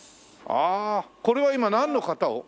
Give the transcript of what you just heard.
ああこれは今なんの型を？